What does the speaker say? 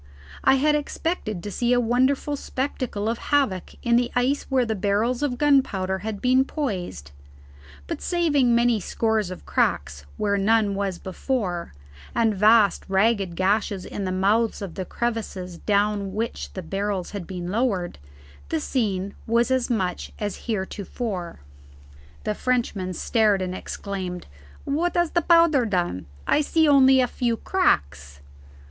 I had expected to see a wonderful spectacle of havoc in the ice where the barrels of gunpowder had been poised, but saving many scores of cracks where none was before, and vast ragged gashes in the mouths of the crevices down which the barrels had been lowered, the scene was much as heretofore. The Frenchman stared and exclaimed, "What has the powder done? I see only a few cracks."